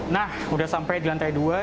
nah udah sampai di lantai dua